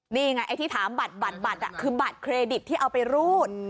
นี่ไงไอ้ที่ถามบัตรบัตรคือบัตรเครดิตที่เอาไปรูด